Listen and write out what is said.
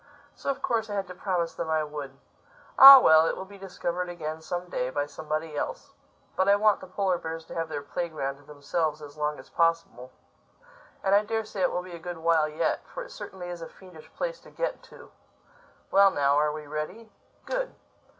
So of course I had to promise them I would. Ah, well, it will be discovered again some day, by somebody else. But I want the polar bears to have their play ground to themselves as long as possible. And I daresay it will be a good while yet—for it certainly is a fiendish place to get to—Well now, are we ready?—Good!